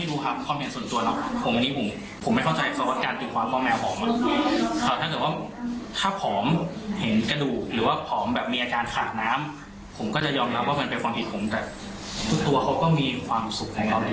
อุ้มเจ็ดแปลกหัวเขาก็เดินไม่ได้